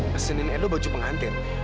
pesenin edo baju pengantin